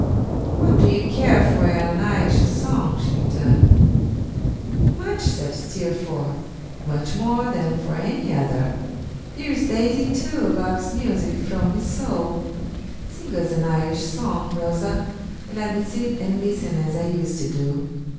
'What do you care for an Irish song?' she returned. 'Much!' said Steerforth. 'Much more than for any other. Here is Daisy, too, loves music from his soul. Sing us an Irish song, Rosa! and let me sit and listen as I used to do.